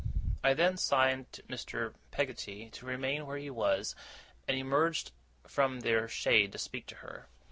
I then signed to Mr. Peggotty to remain where he was, and emerged from their shade to speak to her.